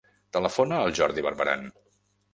Telefona al Jordi Barberan.